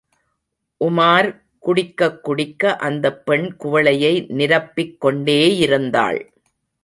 உமார் குடிக்கக் குடிக்க அந்தப் பெண் குவளையை நிரப்பிக் கொண்டேயிருந்தாள்.